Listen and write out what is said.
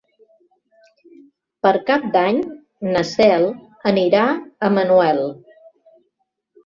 Per Cap d'Any na Cel anirà a Manuel.